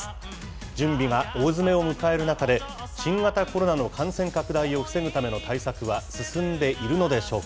準備が大詰めを迎える中で、新型コロナの感染拡大を防ぐための対策は進んでいるのでしょうか。